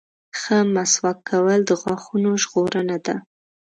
• ښه مسواک کول د غاښونو ژغورنه ده.